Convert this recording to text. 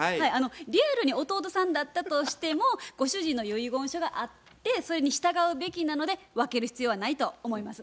リアルに弟さんだったとしてもご主人の遺言書があってそれに従うべきなので分ける必要はないと思います。